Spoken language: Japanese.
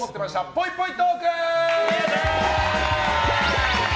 ぽいぽいトーク！